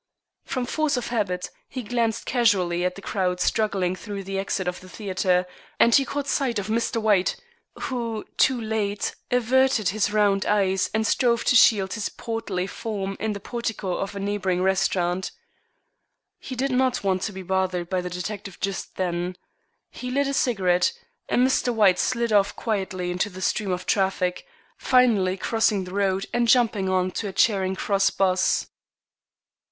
From force of habit, he glanced casually at the crowd struggling through the exit of the theatre, and he caught sight of Mr. White, who, too late, averted his round eyes and strove to shield his portly form in the portico of a neighboring restaurant. He did not want to be bothered by the detective just then. He lit a cigarette, and Mr. White slid off quietly into the stream of traffic, finally crossing the road and jumping on to a Charing Cross 'bus.